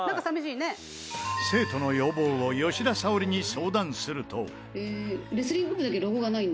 生徒の要望を吉田沙保里に相談すると。